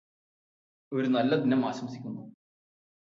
ഒരു നല്ല ദിനം ആശംസിക്കുന്നു